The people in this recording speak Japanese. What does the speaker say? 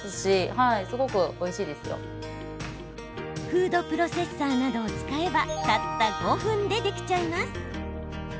フードプロセッサーなどを使えばたった５分でできちゃいます。